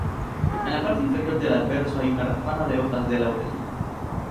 En la parte inferior del anverso hay una rama de hojas de laurel.